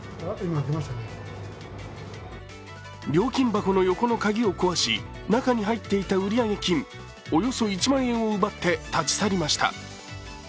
料金箱の横の鍵を壊し、中に入っていた売上金、およそ１万円を奪って立ち去りました。